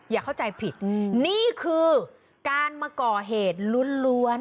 อย่าเข้าใจผิดนี่คือการมาก่อเหตุล้วน